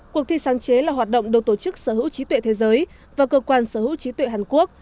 cuộc thi sáng chế là hoạt động được tổ chức sở hữu trí tuệ thế giới và cơ quan sở hữu trí tuệ hàn quốc